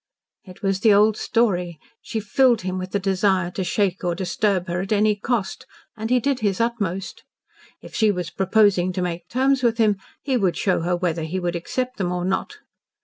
It was the old story. She filled him with the desire to shake or disturb her at any cost, and he did his utmost. If she was proposing to make terms with him, he would show her whether he would accept them or not.